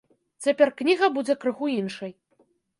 Цяпер кніга будзе крыху іншай.